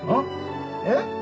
えっ？